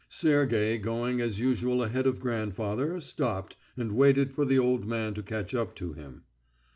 Sergey, going as usual ahead of grandfather, stopped, and waited for the old man to catch up to him.